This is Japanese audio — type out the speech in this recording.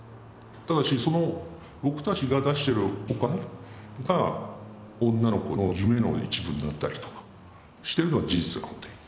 ただしその僕たちが出してるお金が女の子の夢の一部になったりとかしてるのは事実なので。